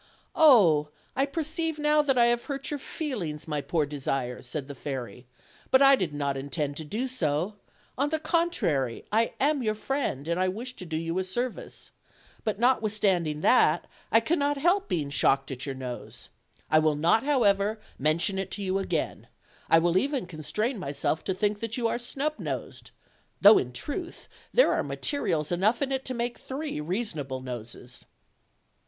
"Oh! I perceive now I have hurt your feelings, my poor Desire," said the fairy, "but I did not intend to do so; on the contrary, I am your friend, and I wish to do you a service^ but notwithstanding that I cannot help PRINCE DESIRE PARTING FROM THE QUEEN (282) OLD, OLD FAIRY TALES. 283 being shocked at your nose; I will not, however, men tion it to you again; I will even constrain myself to think that you are snub nosed; though, in truth, there are materials enough in it to make three reasonable noses.'